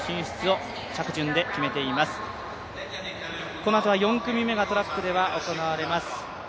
このあとは４組目がトラックでは行われます。